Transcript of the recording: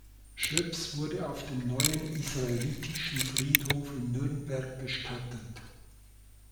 Schoeps wurde auf dem Neuen Israelitischen Friedhof in Nürnberg bestattet.